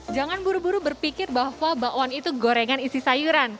jangan buru buru berpikir bahwa bakwan itu gorengan isi sayuran